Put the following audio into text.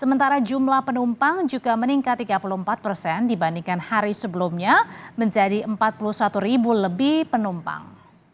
sementara jumlah penumpang juga meningkat tiga puluh empat persen dibandingkan hari sebelumnya menjadi empat puluh satu ribu lebih penumpang